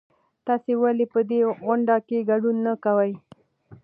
تاسې ولې په دې غونډه کې ګډون نه کوئ؟